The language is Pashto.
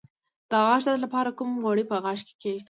د غاښ درد لپاره کوم غوړي په غاښ کیږدم؟